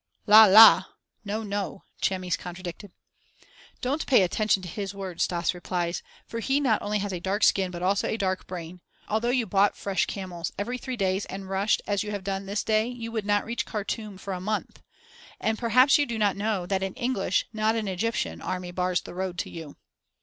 "La! La! (no! no!)" Chamis contradicted. "Don't pay any attention to his words," Stas replied, "for he not only has a dark skin but also a dark brain. Although you bought fresh camels every three days and rushed as you have done this day, you would not reach Khartûm for a month. And perhaps you do not know that an English, not an Egyptian, army bars the road to you."